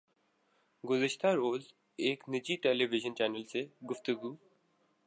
گزشتہ روز ایک نجی ٹیلی وژن چینل سے گفتگو